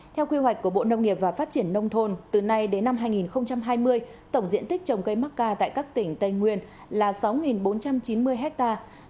theo quy hoạch của bộ nông nghiệp và phát triển nông thôn từ nay đến năm hai nghìn hai mươi tổng diện tích trồng cây mắc ca tại các tỉnh tây nguyên là sáu bốn trăm chín mươi hectare